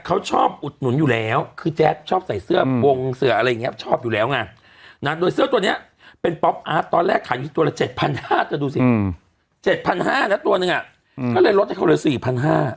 คือแจ๊สชอบใส่เสื้อฟวงเสืออะไรอย่างงี้ชอบอยู่แล้วไงโดยเสื้อตัวนี้เป็นป๊อกอาร์ตตอนแรกขาย๒๐ตัวละ๗๕๐บาทเดี๋ยวดูสิ๗๐๐๕นะตัวนึงอะก็เลยลดให้เขาเลย๔๐๐๕